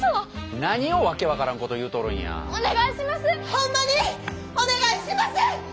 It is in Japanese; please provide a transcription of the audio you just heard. ホンマにお願いします！